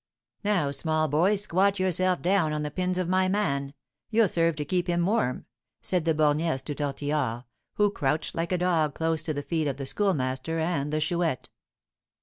"Now, small boy, squat yourself down on the pins of my man; you'll serve to keep him warm," said the Borgnesse to Tortillard, who crouched like a dog close to the feet of the Schoolmaster and the Chouette.